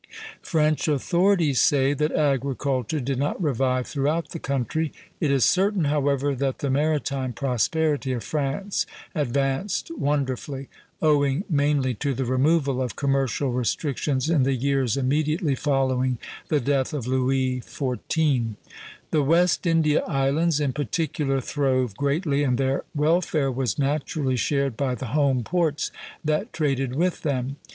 French authorities say that agriculture did not revive throughout the country. It is certain, however, that the maritime prosperity of France advanced wonderfully, owing mainly to the removal of commercial restrictions in the years immediately following the death of Louis XIV. The West India islands in particular throve greatly, and their welfare was naturally shared by the home ports that traded with them.